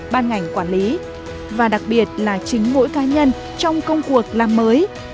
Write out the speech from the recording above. ban ngành quản lý và đặc biệt là chính mỗi cá nhân trong công cuộc làm mới